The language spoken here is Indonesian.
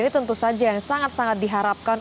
ini tentu saja yang sangat sangat diharapkan